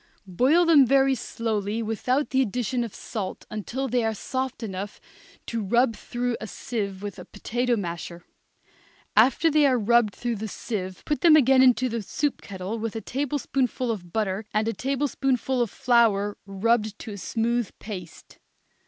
Boil them very slowly without the addition of salt until they are soft enough to rub through a sieve with a potato masher. After they are rubbed through the sieve put them again into the soup kettle with a tablespoonful of butter and a tablespoonful of flour rubbed to a smooth paste.